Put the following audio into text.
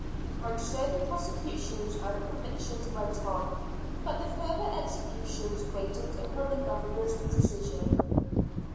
And so the prosecutions and convictions went on; but the further executions waited upon the Governor's decision.